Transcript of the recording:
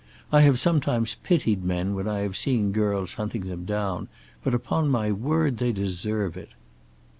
I have sometimes pitied men when I have seen girls hunting them down, but upon my word they deserve it."